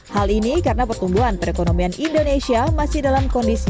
hal ini karena pertumbuhan perekonomian indonesia masih dalam kondisi